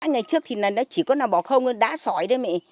ngày trước thì chỉ có nào bỏ không đá sỏi đấy mẹ